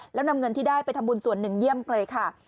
แล้วนำเงินที่ได้ไปทำบุญส่วนหนึ่งเยี่ยมเลยค่ะ